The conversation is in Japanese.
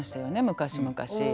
昔々。